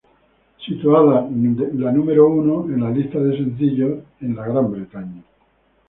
Posicionada número uno en la lista de sencillos en Gran Bretaña.